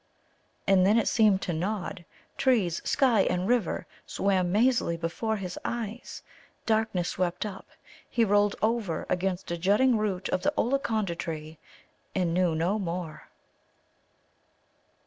And then it seemed to Nod, trees, sky, and river swam mazily before his eyes. Darkness swept up. He rolled over against a jutting root of the Ollaconda, and knew no more.